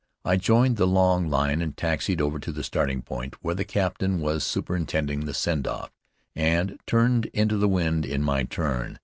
I joined the long line, and taxied over to the starting point, where the captain was superintending the send off, and turned into the wind in my turn.